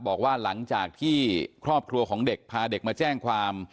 บอกว่าหลังจากที่ครอบครัวของเด็กพาเด็กมาแจ้งความ